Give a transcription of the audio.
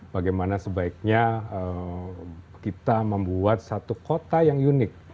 bagaimana sebaiknya kita membuat satu kota yang unik